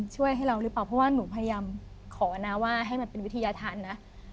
ช่วยให้เราหรือเปล่าเพราะว่าหนูพยายามขอนะว่าให้มันเป็นวิทยาธารนะ